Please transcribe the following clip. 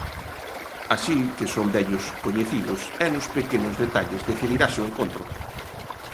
Así que son vellos coñecidos e nos pequenos detalles decidirase o encontro.